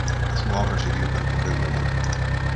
A súa obra seguiu percorrendo o mundo.